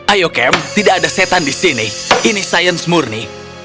ayo camp tidak ada setan di sini ini sains murni